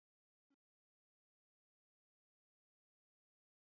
غول د بدن د دفاعي ځواک ښکاره کوونکی دی.